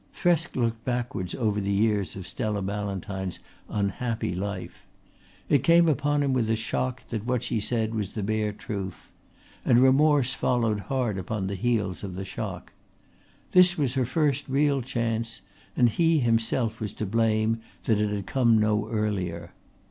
Thresk looked backwards over the years of Stella Ballantyne's unhappy life. It came upon him with a shock that what she said was the bare truth; and remorse followed hard upon the heels of the shock. This was her first real chance and he himself was to blame that it had come no earlier.